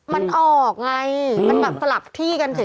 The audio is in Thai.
มันออกไงมันแบบสลับที่กันสิ